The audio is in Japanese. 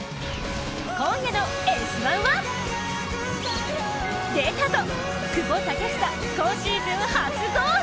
今夜の「Ｓ☆１」は、久保建英、今シーズン初ゴール！